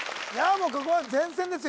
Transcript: もうここは善戦ですよ